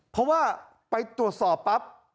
เพราะว่าไปตรวจสอบปั๊บ